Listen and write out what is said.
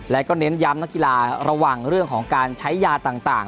และก็เน้นย้ำนักกีฬาระวังเรื่องของการใช้ยาต่าง